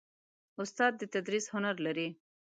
استاد د تدریس هنر لري.